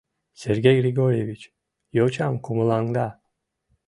— Сергей Григорьевич йочам кумылаҥда.